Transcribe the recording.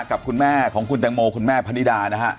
กับคุณแม่ของคุณแตงโมคุณแม่พนิดานะฮะ